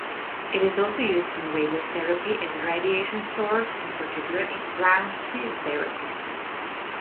It is also used in radiotherapy as a radiation source, in particular in brachytherapy.